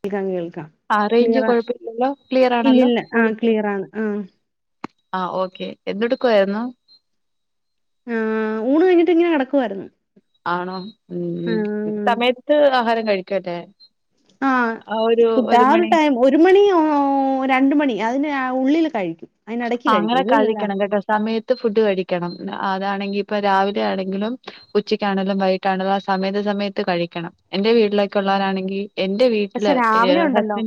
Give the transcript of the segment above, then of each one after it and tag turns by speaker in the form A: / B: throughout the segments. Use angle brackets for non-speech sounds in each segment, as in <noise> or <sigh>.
A: കേൾക്കാം കേൾക്കാം
B: ആഹ് റേയ്ഞ്ച്
A: ക്ലിയറാ
B: കൊഴപ്പല്ലല്ലോ ക്ലിയറാ ണല്ലോ
A: ഇല്ലില്ല
B: ഇപ്പൊ
A: ആ
B: വിളിക്കാ
A: ക്ലിയറാണ് ആ
B: ആഹ് ഓക്കെ എന്തെടുക്ക്വായിരുന്നു
A: ആ ഊണ് കഴിഞ്ഞിട്ട് ഇങ്ങനെ കിടക്കുവായിരുന്നു
B: ആണോ ഉം
A: ആ
B: സമയത്ത് ആഹാരം കഴിക്കും അല്ലെ
A: ആഹ കിട്ടാ ഒരു
B: മണി
A: ടൈം ഒരു മണി ഓ രണ്ട് മണി അതിന്റെ ഉള്ളിൽ കഴിക്കും അതിനിടയ്ക്ക്
B: ആ
A: കഴിക്കും
B: അങ്ങനെ
A: ഉള്ളിലല്ല
B: കഴിക്കണം കെട്ടൊ സമയത്ത് ഫുഡ് കഴിക്കണം അതാണെങ്കി ഇപ്പ രാവിലെ ആണെങ്കിലും ഉച്ചക്കാണെങ്കിലും വൈകിട്ടാണെങ്കിലും ആ സമയത്ത് സമയത്ത് കഴിക്കണം എന്റെ വീട്ടിലൊക്കെ ഉള്ളവരാണെങ്കി
A: പക്ഷെ രാവിലെ ഉണ്ടല്ലോ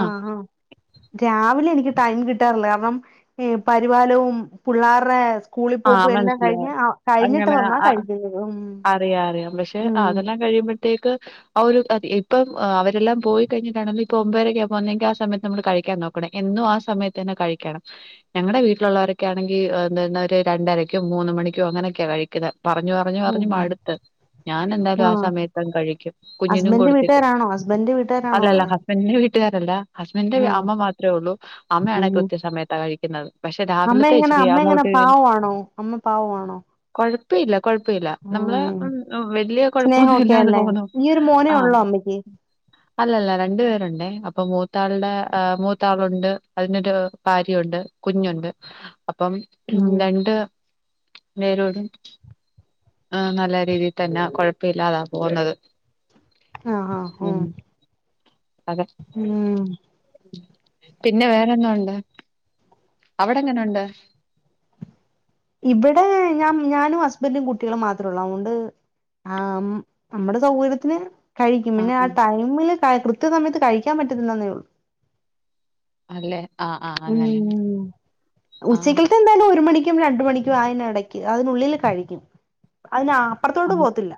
B: ആ
A: ആഹ ആഹ രാവിലെ എനിക്ക് ടൈം കിട്ടാറില്ല കാരണം പരിപാലവും പിള്ളേരുടെ സ്കൂളി
B: ആ
A: പോക്കും എല്ലാം കഴിഞ്ഞ്
B: മനസ്സിലായി
A: കഴിഞ്ഞിട്ട്
B: അങ്ങനെ
A: വന്നാ
B: ആ
A: കഴിക്കും ഉം ഉം
B: കഴിയ്പോഴത്തേക്ക് <unintelligible> ഇപ്പം അവരെല്ലാം പോയി കഴിഞ്ഞിട്ടാണങ്കി ഇപ്പം ഒമ്പതരക്ക പോകുന്നെങ്കിൽ ആ സമയത്ത് നമ്മൾ കഴിക്കാൻ നോക്കണം എന്നും ആ സമയത്തന്നെ കഴിക്കണം ഞങ്ങളടെ വീട്ടിലുള്ളവരൊക്കെ ആണെങ്കി എ രണ്ടരക്കും മൂന്ന് മണിക്കും അങ്ങനെയൊക്കെയാ കഴിക്കുന്നത് പറഞ്ഞു പറഞ്ഞു പറഞ്ഞു
A: ഉം
B: മടുത്ത് ഞാൻ എന്തായാലും ആ സമയത്തങ്ങ് കഴിക്കും കുഞ്ഞിനും
A: ഹസ്ബൻഡ്
B: കൊടുത്തിട്ട്
A: വീട്ടുകാരാണോ ഹസ്ബൻഡ് വീട്ടുകാരാണോ
B: അല്ലല്ല
A: അങ്ങനെ
B: ഹസ്ബെൻിനെ വീ ട്ടുകാരല്ല ഹസ്ബൻഡന്റെ
A: ആ
B: അമ്മ മാത്രേ ഉള്ളൂ അമ്മയാണ്
A: ഉം
B: കൃത്യസമയത്ത കഴിക്കുന്നത് പക്ഷെ
A: അമ്മ
B: രാവിലത്തെ
A: എങ്ങനെ
B: ഇച്ചിരി
A: അമ്മ എങ്ങനെ
B: അങ്ങോട്ട്
A: പാവമാണോ അമ്മ പാവമാണോ
B: കുഴപ്പയില്ല കൊഴപ്പയില്ല നമ്മള്
A: ഉം
B: വല്യ കൊഴപ്പൊന്നും
A: സ്നേഹമൊക്കെ
B: ഇല്ലാതെ
A: അല്ലേ
B: പോവുന്നു
A: ഈ ഒരു മോനേ
B: ആഹ
A: <inaudible>
B: അല്ലല്ല രണ്ടു പേരുണ്ടേ അപ്പൊ മൂത്താളുടെ മൂത്താളുണ്ട് അതിനൊരു ഭാര്യയുണ്ട് കുഞ്ഞുണ്ട് അപ്പം ഹ്
A: ഉം
B: വേരോട് ആ നല്ല രീതിയിൽ തന്നെ കൊഴപ്പ ഇല്ലാതാ പോകുന്നത്
A: ആഹ് ആഹ്
B: ഉം അതെ
A: ഉം
B: പിന്നെ വേറെന്താ ഉണ്ട് അവിടെ എങ്ങനെ ഉണ്ട്
A: ഇവിടെ ഞാൻ ഞാനും ഹസ്ബൻറും കുട്ടികളും മാത്രേ ഉള്ളൂ അതുകൊണ്ട് ആഹ നമ്മടെ സൗകര്യത്തിന് കഴിക്കും
B: ആഹ്
A: പിന്നെ ആ
B: ഉം
A: ടൈമില് ക കൃത്യ സമയത്ത് കഴിക്കാൻ പറ്റുന്നില്ലെന്നേ ഉള്ളു
B: അല്ലെ
A: ഉം
B: ആഹ്
A: ഉച്ചക്കൽത്തെ എന്തായാലും ഒരു മണി- ക്കും രണ്ട് മണിക്കും അതിന് ഇടക്ക് അതിനുള്ളിൽ കഴിക്കും അതിന് അപ്പുറത്തോട്ട്
B: അം
A: പോകത്തില്ല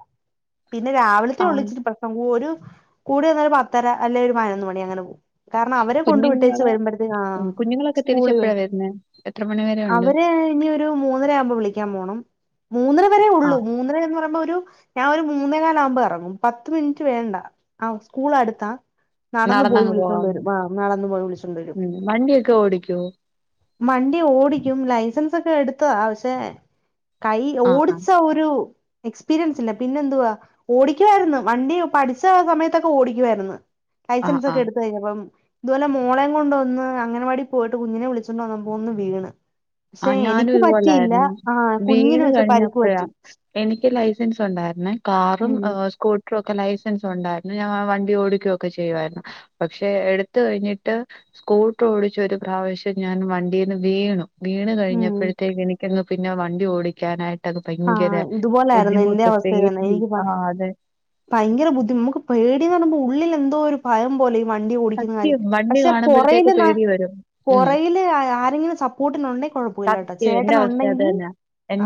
A: പിന്നെ രാവിലത്തെ ഒള്ളൂ
B: ആഹ്
A: ച്ചിരി പ്രശ്നം ഒരു കൂടി വന്ന ഒരു പത്തര അല്ലെ ഒരു പതിനൊന്ന് മണി അങ്ങനെ പോകും കാരണം അവരെ കൊണ്ട് വിട്ടേച്ചു
B: കുഞ്ഞുങ്ങള്
A: വരുമ്പോഴത്തേ ആ
B: ഉം കുഞ്ഞുങ്ങളൊക്കെ
A: സ്കൂളുകൾ
B: തിരിച്ചെപ്പഴാ വരുന്നേ? എത്ര മണി വരെ ഉണ്ട്?
A: അവര് ഇനി ഒരു മൂന്നര ആവുമ്പോ വിളിക്കാൻ പോണം മൂന്നര വരെ ഉള്ളൂ
B: ആഹ്
A: മൂന്നര എന്ന് പറയുമ്പോ ഒരു ഞാൻ ഒരു മൂന്നേ കാല ആകുമ്പോൾ ഇറങ്ങും പത്ത മിനിറ്റ് വേണ്ട ആ സ്കൂൾ അടുത്താ നടന്നു പോയി
B: നടന്നങ്ങ്
A: വിളിച്ചോണ്ട
B: പോകാവുന്ന
A: വരും ആ് നടന്നു പോയി വിളിച്ചോണ്ട വരും
B: ക്കോ
A: മണ്ടി ഓടിക്കും ലൈസൻസ് ഒക്കെ എടുത്തതാ പശേ കൈ
B: ആഹ് ആഹ്
A: ഓടിച്ച ഒരു എക്സ്പീരിയൻസ് ഇല്ല പിന്നെ എന്തുവാ ഓടിക്കുവായിരുന്നു വണ്ടി പഠിച്ച സമയത്തൊക്കെ ഓടിക്കുായിരുന്നു
B: ആഹ്
A: ലൈസൻസ് ഒക്കെ
B: ആഹ്
A: എടുത്ത കഴിഞ്ഞഞ് അപ്പം ഇതുപോലെ മോളയും കൊണ്ട്ൊന്ന് അങ്ങനെ ാടി പോയിട്ട് കുഞ്ഞിനെ വിളിച്ചിണ്ടണ്ട് വന്നാ പോകന്ന് വീണ്
B: ആ
A: പക്ഷെ
B: ഞാനും
A: എനിക്ക് പറ്റിയില്ല
B: ഇതുപോലായിരുന്നു
A: ആ കുഞ്ഞിന്
B: വീണ്
A: പക്ഷെ പരിക്ക്
B: കഴിഞ്ഞപ്പോഴാ
A: പറ്റി
B: എനിക്ക് ലൈസൻസ് ഉണ്ടായി
A: ഉം
B: കാറുംകൂ ക്കെ ലൈസൻസ് ഉണ്ടായിരുന്നു ഞാൻ ആ വണ്ടി ഓടിക്കുകയൊക്കെ ചെയ്യുായിരുന്നു പക്ഷെ എടുത്ത കഴിഞ്ഞിട്ട് സ്കൂട്ടർ ഓടിച്ച ഒരു പ്രാവശ്യം ഞാൻ വണ്ടീന്ന് വീണു വീണ്
A: ഉം
B: കഴിഞ്ഞപ്പോഴത്തേക്ക് എനിക്കന്ന് പിന്നെ വണ്ടി ഓടിക്കാനായിട്ട് ൊക്കെ
A: ആ
B: ഭയങ്കര
A: ഇതുപോലായിരുന്നു എന്റെ
B: ബുദ്ധിമുട്ട്
A: അവസ്ഥ തന്നെ
B: പേഡി
A: എനിക്ക്
B: ആ് അതെ
A: ഭയങ്കര ബുദ്ധി നമുക്ക് പേടിന്ന് പറയുമ്പോൾ ഉള്ളിൽ എന്തോ ഒരു ഭയം പോലെ വണ്ടി ഓടിക്കുന്ന കാര്യം
B: സത്യം വണ്ടി
A: പക്ഷെററ
B: കാണുമ്പോഴത്തേക്ക് പേടി വരും ഉം
A: ആരെങ്കിലും സപ്പോർട്ടണ്ട
B: സത്യം എന്റെ അവസ്ഥ അത് തന്നെ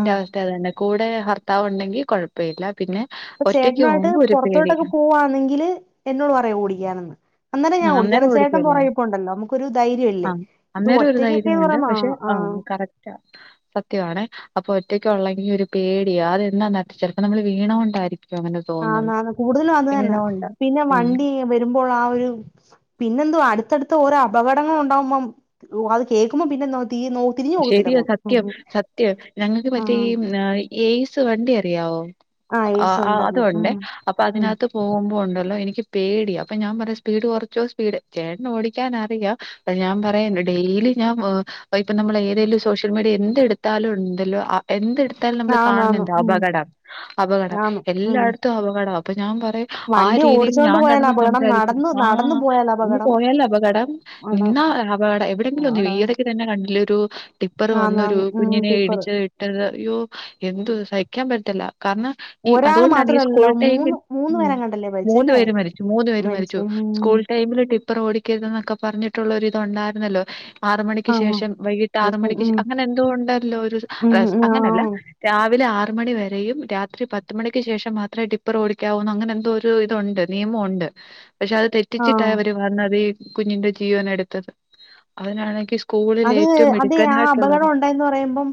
A: ആ
B: അവസ്ഥ അത് തന്നെ കൂടെ ഭർത്താവ് ഉണ്ടെങ്കിൽ കുഴപ്പമ ഇില്ല പിന്നെ
A: അപ്പൊ
B: ഒറ്റയ്ക്ക്
A: ചേട്ടനായിട്ട്
B: പോകുമ്പോ ഒരു പേടി
A: പുറത്തോട്ടൊക്കെ പോവാന്നെങ്കില് എന്നോട് പറയാോ ഓടിക്കാാനന്ന് അന്നേരം
B: ആ,
A: ഞാൻ കുടിക്കാന ചേട്ടൻ
B: ഓടിക്കുവല്ലേ
A: പുറക ഇപ്പോ ഉണ്ടല്ലോ നമുക്കൊരു
B: ആ
A: ധൈര്യമല്ലേ ഇത് ഒറ്റക്കൊക്കെന്ന് പറയ
B: കറക്റ്റ് സത്യണ അപ്പൊ ഒറ്റക്ക ഉള്ളെങ്കിൽ ഒരു പേടിയ അതെന്താ നട്ട ചിലപ്പോ നമ്മ വീണോണ്ടായിരിക്കും അങ്ങനെ
A: ആ
B: തോന്നുന്നത്
A: എന്ന കൂടുതലും അത് തന്നെ
B: വീണോണ്ടാ
A: പിന്നെ
B: ഉം
A: വണ്ടി വരുമ്പോൾ ആ ഒരു പിന്നെതുോ അടുത്തടുത്ത് ഓരോ അപകടങ്ങൾ ഉണ്ടാാവുമ്പോ അത് കേൾക്കുമ്പോ പിന്നെന്ത
B: ശരിയോ സത്യം സത്യം ഞങ്ങൾക്ക് മറ്റേ
A: ആഹ്
B: ഈ ഏയ്സ് വണ്ടി അറിയാവോ ആ
A: എയ്ഡ്സ് ഉണ്ടായിരുന്നു
B: അതൊണ്ട്േ
A: ഉം
B: അപ്പൊ
A: ഉം
B: അതിനകത്ത് പോകുമ്പോ ഉണ്ടല്ലോ എനിക്ക് സ്പീഡ അപ്പൊ ഞാൻ പറയാ സ്പീഡ് കുറച്ചോ സ്പീഡ് ചേട്ട ഓടിക്കൻ അറിയാം അ ഞാൻ പറയ ഡെയിലി നമ്മൾ ഏതെങ്കും സോഷ്യൽ മീഡിയ എ എടുത്താലും ഉണ്ടല്ലോ നമ്മൾ
A: ആന്ന് ആന്ന്
B: കാണണ്ട്
A: ഉം
B: അപകടം അപകടം
A: ആന്ന് ഉം
B: എല്ലായിടത്തും അപകടം അപ്പൊ ഞാൻ പറ ആ
A: വണ്ടി
B: രീതിയിൽ
A: ഓടിച്ചോണ്ട്
B: ഞാൻ
A: പോയാൽ
B: കടന്നന്ന്
A: അപകടം
B: സംസാരിക്കും
A: നടന്ന്
B: ആ
A: നടന്നു പോയാൽ
B: ഇന്ന്
A: അപകടം
B: പോയാല അപകടം നി
A: ആണ്
B: എന്ന അടെ എവിടെയങ്കില ഒന്നും
A: ആണ്
B: വഈതൊക്കെ തന്നെണ്ടു ൊരു ടിപ്പർ
A: ആന്ന്
B: വന്നൊരു
A: ആന്ന് ഉം
B: കുഞ്ഞിനെ
A: ടിപ്പറ്
B: ഇടിച്ചത് ഇട്ടത് അയ്യോ എന്ത സൈഖ്യം ബർത്തില്ല കാരണം ഈ
A: ഒരാള്
B: അതുകൊണ്ടാണ് ഈ സ്കൂൾ
A: മാത്രല്ലല്ലോ
B: ടൈമിൽ
A: മൂന്ന് മൂന്ന്
B: ഉ
A: പേരെങ്ങാണ്ടല്ലേ
B: മൂന്ന
A: മരിച്ചല്ലേ
B: പേര് മരിച്ചു മൂന്ന് പേര് മരിച്ചു സ്കൂൾ ടൈമിൽ ടിപ്പർ ഓടിക്കരുത എന്നൊക്കെ പറഞ്ഞിട്ടുള്ളരി ഇത്ണ്ടായിരുന്നല്ലോ ആറ മണിക്ക്
A: ആഹ്
B: ശേഷം വട്ട ആറ മണിക്ക്
A: ഉം
B: അങ്ങനെ എന്തുകൊണ്ടല്ലോ
A: ഉം
B: അങ്ങനല്ല
A: ആഹ്
B: രാവില ആറ് മണി വരെയും രാത്രി പത്ത്ുമണിക്ക് ശേഷം മാത്രമേ ടിപ്പർ ഓടിക്കാവുന്നു അങ്ങനെ എന്തോ ഒരു ഇതുണ്ട് നിയമ ഉണ്ട് പക്ഷെ അത്
A: ആഹ്
B: തെറ്റിച്ചിട്ടായി അവര് വന്നത് ഈ കുഞ്ഞിന്റെ ജീവന എടുത്തത് അതിനാണെങ്കിൽ സ്കൂളില്
A: അത് അതെ ആ അപകടം ഉണ്ടായിന്ന് പറയുമ്പം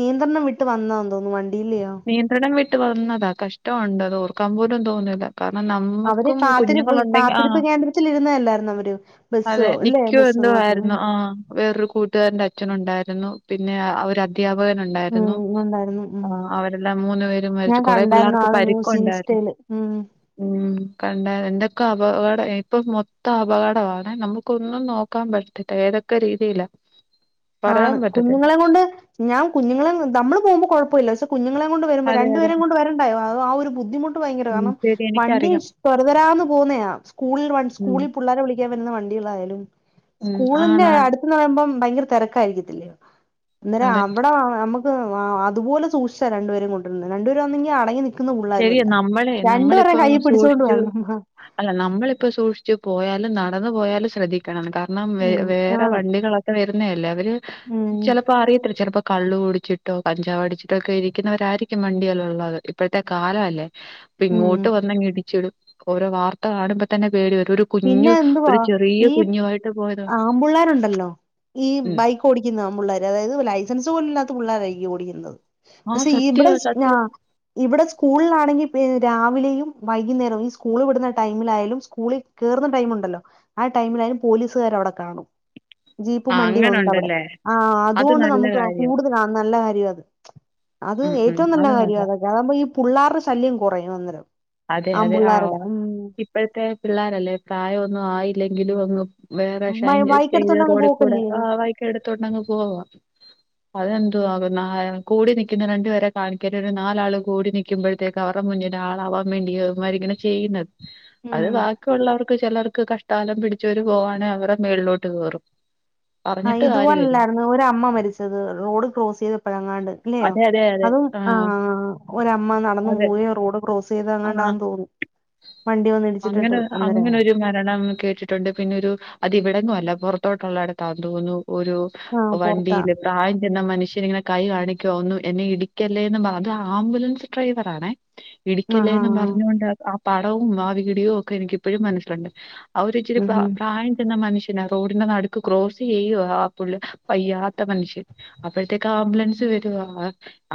A: നിയന്ത്രണം വിട്ട് വന്നാന്ന് തോന്നുന്നു വണ്ടിയില്ലയോ
B: നിയന്ത്രണം വിട്ട് വന്നതാ കഷ്ടമുണ്ട് അത് ഓർക്കാൻ പോലും തോന്നൂില്ല കാരണം
A: അവര്
B: നമ്മുക്കും
A: കാത്തിരിപ്പ്
B: കുഞ്ഞുങ്ങളുണ്ടെങ്കിൽ ആ
A: കാത്തിരിപ്പ് കേന്ദ്രത്തിലിരുന്നതല്ലായിരുന്നോ അവര് ബസ്സോ
B: അതെ
A: ഇല്ലേ
B: നിക്കുവ
A: ബസ്സിനകത്ത് ഉം
B: എരുന്നു ആ വേറൊരു കൂട്ടുകാരന്റെ അച്ഛനുണ്ടായിരുന്നു പിന്നെ അദ്ധ്യാപകൻ
A: ഉം
B: ഉണ്ടായിരുന്നു
A: ഉണ്ടായിരുന്നു ഉം
B: ആ അവരെല്ലാം മൂന്നു പേര
A: ഞാൻ
B: മരിച്ചു കൊറെേ
A: കണ്ടായിരുന്നു
B: പിള്ളേർക്ക്
A: ആ ന്യൂസ്
B: പരിക്കുംുണ്ടായിരുന്നു
A: ഇൻസ്റ്റയില് ഉം
B: ഉ കണ്ട എന്തൊക്കെ അപകടം ഇപ്പൊ മൊത്തം അപകടമാണ്ണ നമുക്കൊന്നും നോക്കാൻ പറ്റത്തിട്ട ഏതക്ക സക്കറി ഇതയില്ല
A: ആണ് കുഞ്ഞുങ്ങളെ കൊണ്ട് ഞാൻ കുഞ്ഞുങ്ങളെ നമ്മള് പോകുമ്പോൾ കുഴപ്പമ ഇില്ല കുഞ്ഞുങ്ങളെ കൊണ്ട് വരുമ്പോ
B: അതെ അതെ
A: രണ്ടുപേരും കൊണ്ട് വരണ്ടായോ അ ആ ഒരു ബുദ്ധിമുട്ട് ഭയങ്കര
B: ഉം
A: കാരണം
B: ശരി എനിക്കറിയാം
A: വണ്ടിത പോകുന്ന സ്കൂള
B: ഉം
A: സ്കൂളിൽ പിള്ളേരെെ വിളിക്കാൻ വരുന്ന വണ്ടികള ആായാലും
B: ഉം
A: സ്കൂളിന്റെ
B: ആണാണ്
A: അടുത്തന്ന് പറയുമ്പം ഭയങ്കര തിരക്കായിരിക്കത്തില്ലേ അന്നേരം
B: അതെ
A: അവിടെ നമുക്ക് ആ അതുപലെ സൂക്ഷിച്ചാ രണ്ടുപേര കൊണ്ടിുന്ന രണ്ടുപേര വന്നി അടങ്ങി ന
B: ശരിയ നമ്മളെ നമ്മളിപ്പോ
A: പിടിച്ചോണ്ട്
B: സൂക്ഷിച്ചു
A: വരണം
B: അല്ല നമ്മളിപ്പോ സൂക്ഷിച്ചു പോയാൽ നടന്നു പോയാലും ശ്രദ്ധിക്കണം കാരണം വ
A: ഉം
B: വേറെ
A: ആണ്
B: വണ്ടികളൊക്കെ വരുന്നതല്ലേ അവര്
A: ഉം
B: ചിലപ്പോ അറിയത്തില്ല ചിലപ്പോ കള്ളള് കുടിച്ചിട്ടോ കഞ്ചാവ് അടിച്ചിട്ടോ ഒക്കെ ഇരിക്കുന്നവരായിരിക്കും വണ്ടിയല്ലാം ഉള്ളത് ഇപ്പോഴത്തെ കാല അല്ലേ അപ്പ
A: ഉം
B: ഇങ്ങോട്ട് വന്നങ്ങിടിച്ചിടും ഓരോ വാർത്ത കാണുമ്പോ തന്നെ പേടി വും കുഞ്ഞു
A: പിന്നെ എന്തുവാ
B: ഒരു ചെറിയ
A: ഈ
B: കുഞ്ഞുട്ട്
A: ആമ്പിള്ളേരുണ്ടല്ലോ ഈ
B: ഉം.
A: ബൈക്ക് ഓടിക്കുന്നു ആമ്പിള്ളർ അതായത് ലൈസൻസ് പോല ്യ ഓടുന്നത്
B: ആ
A: പക്ഷെ ഇവിടെ
B: സത്യവാ സത്യവാ.
A: ഇവിടെ സ്കൂളിലാണെങ്കിൽ പി രാവിലെയും വൈകുന്നേരം ഈ സ്കൂള് വിടുന്ന ടൈമിലായാലും സ്കൂളിൽ കേയറുന്ന ടൈമ ഉണ്ടല്ലോ ആ ടൈമിലായാലും പോലീസുകാര അവിടെ കാണും ജീപ്പ്
B: ആ
A: മണ്ടി ഉണ്ട് അവിടെ
B: അങ്ങനുണ്ടല്ലേ.
A: ആ
B: അത്
A: അതുകൊണ്ട്
B: നല്ല
A: നമുക്ക്
B: കാര്യവാ.
A: കൂടുതലാ നല്ല കാര്യ അത് അത്
B: ഉം ഉം.
A: ഏറ്റവും നല്ല
B: അത്
A: കാര്യ
B: നല്ലതാ.
A: അത കണുമ്പ ഈ പിള്ളേരുടെ ശല്യം കുറയും അന്നേരം
B: അതെ അതെ ആ
A: ആമ്പിള്ളേരുടെ ഉം
B: ഇപ്പോഴത്തെ പിള്ളേരല്ലേ പ്രായ ഒന്നും ആയില്ലെങ്കിലും അങ്ങ് വേറെഷ അചോയ് ചെയ്ത
A: ബൈക്കെടുത്തോണ്ട് അങ്ങ്
B: റോഡ കൂടെ വ
A: പോക്കല്ലയോ
B: വായിക്ക എടുത്തോണ്ടങ് പോവാ അതെന്തുവാും കൂടി നൽിക്കുന്ന രണ്ടുപേരെ കാണിക്കണ്ട ഒരു നാലാള് കൂടി നൽക്കുമ്പോഴത്തേക്ക് അവരുടെ മുൻ ആളാവാൻ വേണ്ടിമാരി ഇങ്ങനെ ചെയ്യുന്നത് അത്
A: ഉം
B: ബാക്കിയുള്ളവർക്ക് ചിലർക്ക് കഷ്ടാലം പിടിച്ചവ പോവാണെ അവടെ മേളിലോട്ട് കേറും
A: ആ ഇതുപോലല്ലായിരുന്നു ഒര അമ്മ മരിച്ചത് റോഡ് ക്രോസ് ചെയ്തപ്പോഴ അങ്ങാണ്ട് ഇല്ലയോ
B: അതെ അതെ അതെ
A: അതും ആ ഒരമ്മ നടന്നു
B: അതെ
A: പോയി റോഡ് ക്രോസ് ചെയ്ത
B: ആ
A: അങ്ങാണ്ടാന്ന് തോന്നുന്നു വണ്ടി
B: അങ്ങനെ
A: വന്നിടിച്ചിട്ടിട്ട് അന്നേരം
B: അങ്ങനെരു മരണം കേട്ടിട്ടുണ്ട് പിന്നെ ഒരു അതി ഇവിടന്നും അല്ല പുറത്തോട്ടുള്ളടെതാ തോന്നുന്നു ഒരു
A: ആഹ് പൊറത്താ
B: വണ്ടിയില് പ്രായം ചെന്ന മനുഷ്യൻ ഇങ്ങനെ കൈ കാണ ക്കു ഒന്നു എന്നെ ഇടിക്കല്ലേ എന്ന് പറഞ്ഞത് ആംബുലൻസ് ഡ്രൈവർ ആണേ
A: ആഹ്
B: ഇടിക്കല്ലേന്ന്
A: ആഹ്
B: പറഞ്ഞുകൊണ്ട് ആ പടവും ആ വീഡിയോവും ഒക്കെ എനിക്കിപ്പോഴും മനസ്സിലുണ്ട് അവരിച്ചിരി
A: ഉം ഉം
B: പ്രായം ചെന്ന മനുഷ്യനാര്ന്നു റോഡിന്റെ നടു ക്രോസ് ചെയ്യ പയ്യാത്ത മനുഷ്യർ അപ്പോഴത്തേക്ക ആംബുലൻസ് വരും <unintelligible>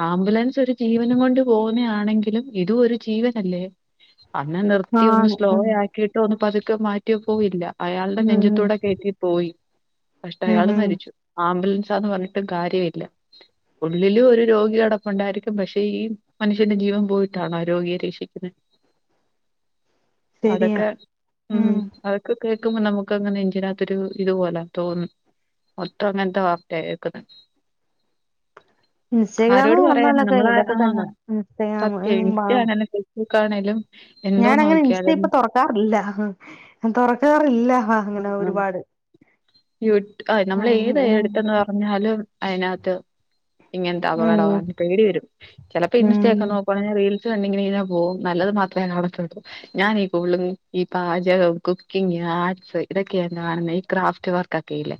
B: ആംബുലൻസ് ഒരു ജീവനുംകൊണ്ട് പോവുന്നെ ആണെങ്കിലും ഇതും ഒരു ജീവനല്ലേ അന്നെ നിർത്തിയ ഒന്ന്
A: ആണ്
B: സ്ലോ
A: ഉം
B: ആക്കിയിട്ട് ഒന്നും പതുക്കെ മാറ്റിയ പോവില്ല അയാളുടെ
A: ഉം
B: നെഞ്ചത്തൂടെ കയറ്റിപോയി
A: ഉം
B: കഷ്ടയാള്
A: ഉം
B: മരിച്ചു ആംബുലൻ ന്ന് പറഞ്ഞിട്ടും കാര്യമില്ല ഉള്ളിലും ഒരു രോഗി കടപ്പുണ്ടായിരിക്കും പക്ഷെ ഈ മനുഷ്യന്റെ ജീവൻ പോയിട്ടാണോ രോഗിയെ രക്ഷിക്കുന്നത്
A: ശരിയാ
B: അതൊക്കെ ഉം അതൊക്കെ കേൾക്കുമ്പോ നമുക്ക് അങ്ങനെ നെഞ്ചിനകത്തൊരു ഇത്പോലെ തോന്നും മൊത്തം അങ്ങൻതെ വാർത്തയാ കേക്കുന്നു
A: ഇൻസ്റ്റാഗ്രാമ്
B: ആരോട് പറയാനാ
A: തുറന്നാലൊക്കെ
B: നമ്മളെ ആ
A: ഇതൊക്കെ തന്നെ ഇൻസ്റ്റാഗ്രാമ്
B: സത്യ ഇൻക്കും അങ്ങനെ കാണേലും
A: ഞാന അങ്ങനെ ഇൻസ്റ്റ ഇപ്പ തുറക്കാറില്ല തുറക്കാറില്ലവ അങ്ങനെ ഒരുപാട്
B: യു നമ്മൾഏത്
A: ഉം
B: എടുത്തന്ന് പറഞ്ഞാലും അതിനകത്ത് ഇങ്ങനത്തെ
A: ഉം
B: അപകടമാണ് പേടി വരും ചിലപ്പോ ഇന്ന്
A: ഉം
B: കേക്ക നോക്കുവാണേൽ റീൽസ് എണ്ണി ണ്ണി ങ്ങനെ പോകും നല്ലത് മാത്രമേ കാണത്തുള്ളൂ ഞാനീ <unintelligible> ഈ പാചകവും കുക്കിങ്ങും ആ ഇതൊക്കെയാ ഞാൻ കാണുന്നെ ഈ ക്രാഫ്റ്റ് വർക്കൊക്കെല്ലെ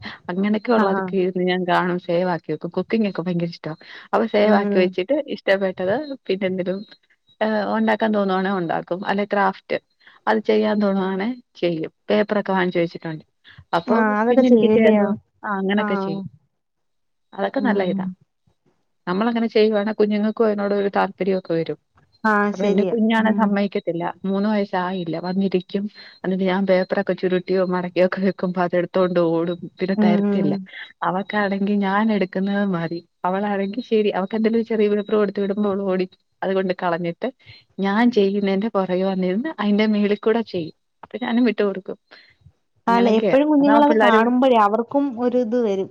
A: ആഹ്
B: അങ്ങനൊക്കെയള്ളതൊക്കെ ഇരുന്ന് ഞാൻ കാണും സേവ് ആക്കിവെക്കും കുക്കിങ്ങൊക്കെ ഭയങ്കര ഇഷ്ടാ അവ സേവ് ആക്കി
A: ഉം
B: വെച്ചിട്ട് ഇഷ്ടപ്പെട്ടത് പിന്നെന്തങ്കലും ഹ് ഉണ്ടാക്കാൻ തോന്നവാണ ഉണ്ടാക്കും അല്ലെ ക്രാഫ്റ്റ് അത് ചെയ്യാൻ തോന്നുവാണേ ചെയ്യും പേപ്പറൊക്കെ വാങ്ങിച്ച് വെച്ചിട്ടുണ്ട് അപ്പൊ
A: ആഹ് അതൊക്കെ
B: പിന്നെ എനിക്ക് ചെയ്യാൻ
A: ചെയ്യൂലയോ
B: തോന്നും ആ അങ്ങനൊക്കെ
A: ആഹ്
B: ചെയ്യും അതൊക്കെ നല്ല
A: ഉം
B: ഇതാ നമ്മൾ അങ്ങനെ ചെയ്യുവാണേൽ കുഞ്ഞുങ്ങക്കും അയിനോട് ഒരു താ പര്യഒക്കെ വരും
A: ആഹ്
B: അപ്പൊ എന്ന
A: ശരിയാ
B: കുഞ്ഞാണെ
A: ഉം
B: സമ്മയിക്കത്തില്ല മൂന്ന് വയസായില്ല വന്നിരിക്കും അന്നിട്ട് ഞാൻ പേപ്പറൊക്കെ ചുരുട്ടിയോ മടക്കിയോ ഒക്കെ വെക്കുമ്പോൾ അതെടുത്തോണ്ട് ഓടും പിന്നെ
A: ഉം ഉം
B: തര്ത്തില്ല അവക്ക് ലാണെങ്കി ഞാൻ എടുക്കുന്നത് മതി അവളാണെങ്കി ശരി അവക്ക് എന്തേലും ചെറിയപേപ്പർ കൊടുത്ത് വിടുമ്പോ അവൾ ഓടി അതുകൊണ്ട് കളഞ്ഞിട്ട് ഞാൻ ചെയ്യുന്നേന്റെ പുറകെ വന്നിര്ന്ന് അയിന്റെ മേളി കൂടെ ചെയ്യും അപ്പൊ ഞാനും വിട്ടു കൊടുക്കും
A: അല്ലെ
B: അങ്ങനെയൊക്കെയാ.
A: എപ്പഴും
B: അതാവുമ്പോ
A: കുഞ്ഞുങ്ങളത്
B: പിള്ളേര്
A: കാണുമ്പോഴേ അവർക്കും ഒര് ഇത് വരും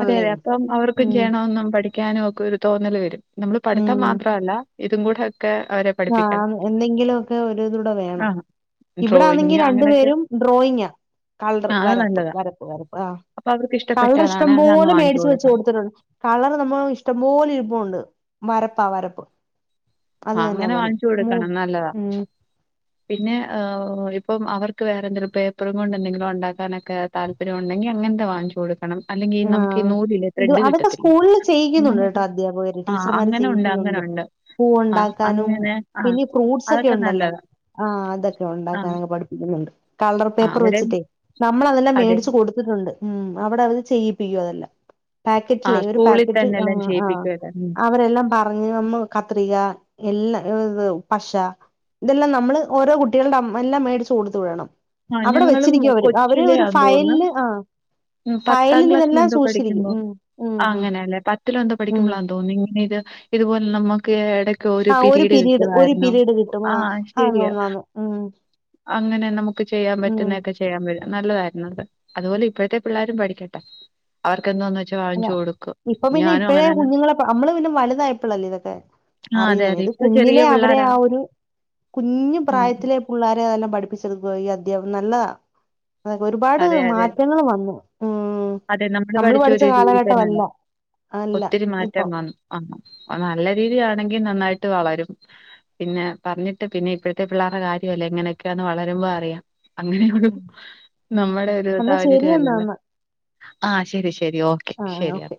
B: അതെ അതെ അപ്പൊ അവർക്കും
A: ഉം
B: ചെയ്യണോന്നും പഠി ക്കാന് ഒക്കെ ഒരു തോന്നല് വരും നമ്മള് പഠിത്തം മാത്രമല്ല ഇതും കൂടെ ഒക്കെ അവരെ
A: ആ
B: പഠിപ്പിക്കണം.
A: എന്തെങ്കിലും ഒക്കെ ഒരുതൂടെ വേണം
B: ആഹ്.
A: ഇവിടൊന്നെങ്കി
B: ഡ്രോയിങ്
A: രണ്ടു
B: അങ്ങനെയൊക്കെ
A: പേരും ഡ്രോയിങ് ആ കളർ
B: ആ അത്
A: വരപ്പ്
B: നല്ലതാ.
A: വരപ്പ് വരപ്പ് ആ
B: അപ്പൊ അവർക്ക്
A: കളർ
B: ഇഷ്ടപ്പെട്ടതാണെ അതങ്ങ്
A: ഇഷ്ടംപോലെ
B: വാങ്ങിച്ചു
A: മേടിച്ചു വെച്ച്
B: കൊടുക്കണം.
A: കൊടുത്തിട്ടുണ്ട് കളർ നമ്മൾ ഇഷ്ടംപോലെ ഇരുപ്പോണ്ട് വരപ്പാ വരപ്പ് അത്
B: ആ,
A: തന്നെ
B: അങ്ങനെ വാങ്ങിച്ചു കൊടുക്കണം നല്ലതാ പിന്നെ ഇപ് ഇപ്പം അവർക്ക് വേറെന്തങ്കിലും പേപ്പറും കൊണ്ട്എന്തെങ്കിലും ഒണ്ടാക്കാനൊക്കെ താല്പര്യം ഒണ്ടെങ്കി അങ്ങനത്തെ വാങ്ങിച്ച് കൊട് ക്കണം അല്ലെങ്കി നമ്മുക്കി
A: ആഹ്
B: നൂൽ ഇല്ലേ
A: ഇത്
B: ത്രെഡ്
A: അതൊക്കെ
B: കിട്ടത്തില്ലേ
A: സ്കൂളിൽ ചെയ്യിക്കുന്നുണ്ട്
B: അങ്ങനെ
A: കേട്ടോ
B: ഒക്കെ അ അങ്ങനെ ഒണ്ടാ അങ്ങനൊണ്ട്
A: പൂവ് ഉണ്ടാക്കാനും പിന്നെ ഫ്രൂട്ട്സ് ഒക്കെ
B: അതൊക്കെ
A: ഉണ്ടല്ലോ
B: നല്ലതാ.
A: ആ അതൊക്കെ
B: ആ
A: ഒണ്ടാക്കാനൊക്കെ പഠിപ്പിക്കുന്നുണ്ട് കളർ പേപ്പർ
B: അവിടെയും
A: വെച്ചിട്ടേ നമ്മളതെല്ലാം
B: അതെ.
A: മേടിച്ച് കൊടുത്തിട്ടുണ്ട് ഉം അവിടത് ചെയ്യിപ്പിക്കും അതെല്ലാം പാക്കറ്റില്ലേ
B: ആഹ്
A: ഒരു
B: സ്കൂളിൽ
A: പാക്കറ്റ്
B: തന്നെ
A: ആ
B: എല്ലാം
A: ആ
B: ചെയ്യിപ്പിക്കുവല്ലേ ഉം.
A: അവരെല്ലാം പറഞ്ഞ് നമ്മ കത്രിക- എല്ലാ ഇ ഇത് പശ ഇതെല്ലാം നമ്മള് ഓരോ കുട്ടികളുടെ അമ് എല്ലാം മേടിച്ച് കൊടുത്ത് വിടണം
B: ആഹ്
A: അവിടെ
B: ഞങ്ങളും
A: വെച്ചിരിക്കും അവര് അവര് ഒരു
B: കൊച്ചിലെയാന്ന് തോന്നുന്നു
A: ഫയലില് ആ
B: ഉം പത്താം ക്ലാസ്സിൽ എന്തോ പഠിക്കുമ്പോ
A: ഉം ഉം ഉം
B: അങ്ങനെയല്ലേ പത്തിലോ എന്തോ
A: ഉം
B: പഠിക്കുമ്പോളാന്ന് തോന്നുന്നു ഇങ്ങനെ ഇത് ഇതുപോലെ നമ്മുക്ക് എടക്ക് ക്കെ ഒരു
A: ആ
B: പിരീഡ്
A: ഒരു
B: കിട്ടുവാരുന്നു
A: പീരീഡ് കിട്ടും
B: ആ
A: ആന്ന്
B: ശരിയാ
A: ആന്ന് ആന്ന് ഉം
B: അങ്ങനെ നമുക്ക് ചെയ്യാൻ
A: ഉം
B: പറ്റുന്നയൊക്കെ ചെയ്യാൻ പറ്റും നല്ലതാരുന്നു അത് അതുപോലെ ഇപ്പഴ്ത്തെ പിള്ളേരും പഠിക്കട്ടെ അവർ
A: അതാ ഇപ്പൊ പിന്നെ ഇപ്പഴേ
B: അങ്ങനെന്നെ
A: കുഞ്ഞുങ്ങളെ അമ്മള് പിന്നെ വലുതായപ്പോളല്ലേ ഇതൊക്കെ
B: ആഹ് അതെ
A: അറിയുന്നന്നെ
B: അതെ
A: ഇത്
B: ഇപ്പൊ ചെറിയ
A: കുഞ്ഞിലെ അവരെ
B: പിള്ളാരാ
A: ആ ഒരു കുഞ്ഞു
B: ഉം
A: പ്രായത്തിലെ പുള്ളാരെയതെല്ലാം പഠി ഠിപ്പിച്ചെടുക്കാ ഈ അധ്യാപ നല്ലതാ അതെ ഒരുപാട്
B: അതെ അതെ
A: മാറ്റങ്ങള് വന്നു ഉം
B: അതെ നമ്മള് പഠിച്ചോ
A: പഠിച്ച
B: ഒരു രീതി തന്ന
A: കാലഘട്ടമല്ല
B: അല്ലെ
A: അല്ല
B: ഒത്തിരി
A: ഇപ്പൊ
B: മാറ്റം വന്ന് ആ അത് നല്ല രീതിയണെങ്കി ങ്കി നന്നായിട്ട് വളരും പിന്നെ പറഞ്ഞിട്ട് പിന്നെ ഇപ്പോഴത്തെ പിള്ളേരുടെ കാര്യമല്ലേ എങ്ങനെയൊക്കെയാന്ന് വളരുമ്പോ അറിയാം അങ്ങനെയൊരു
A: ഉം ഉം.
B: നമ്മുടെ ഒരു
A: എന്നാ ശരി
B: സാഹചര്യ
A: എന്നാ
B: അല്ലല്ലോ
A: എന്നാ
B: ആ ശരി ശരി ഓക്കെ
A: ആ
B: ശരിയാ
A: ഓക്കെ